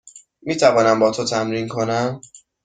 می توانم با تو تمرین کنم؟